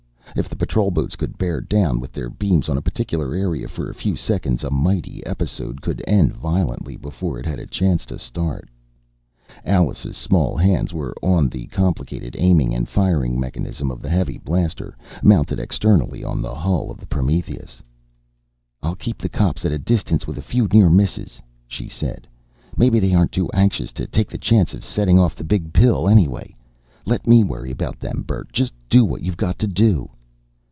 If the Patrol boats could bear down with their beams on a particular area for a few seconds, a mighty episode could end violently before it had a chance to start. Alice's small hands were on the complicated aiming and firing mechanism of the heavy blaster, mounted externally on the hull of the Prometheus. "I'll keep the cops at a distance with a few near misses," she said. "Maybe they aren't too anxious to take the chance of setting off the Big Pill, anyway. Let me worry about them, Bert. Just do what you've got to do...."